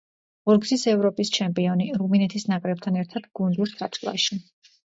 ორგზის ევროპის ჩემპიონი რუმინეთის ნაკრებთან ერთად გუნდურ ჩათვლაში.